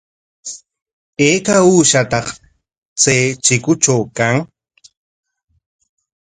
¿Ayka uushataq chay chikutraw kan?